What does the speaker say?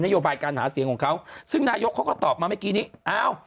โยบายการหาเสียงของเขาซึ่งนายกเขาก็ตอบมาเมื่อกี้นี้อ้าว